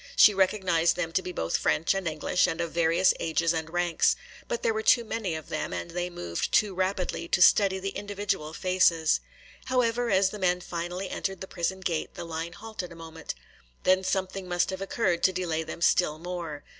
She recognized them to be both French and English and of various ages and ranks. But there were too many of them and they moved too rapidly to study the individual faces. However, as the men finally entered the prison gate the line halted a moment. Then something must have occurred to delay them still more.